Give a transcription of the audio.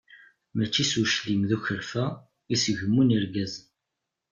Mačči s uclim d ukerfa, i s gemmun irgazen.